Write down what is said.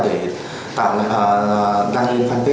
để tạo đăng ký fanpage